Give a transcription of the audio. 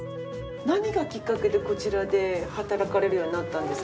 何がきっかけでこちらで働かれるようになったんですか？